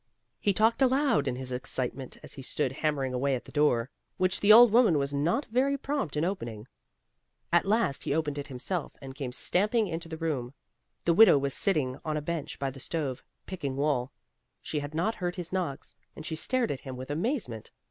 He talked aloud in his excitement, as he stood hammering away at the door, which the old woman was not very prompt in opening. At last he opened it himself, and came stamping into the room. The widow was sitting on a bench by the stove, picking wool. She had not heard his knocks, and she stared at him with amazement.